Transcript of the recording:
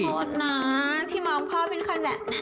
โทษนะที่มองพ่อเป็นคนแบบนี้